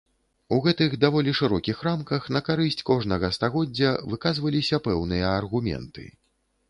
У гэтых, даволі шырокіх, рамках на карысць кожнага стагоддзя выказваліся пэўныя аргументы.